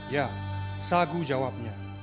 ya seagus jawabnya